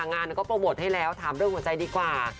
งานก็โปรโมทให้แล้วถามเรื่องหัวใจดีกว่า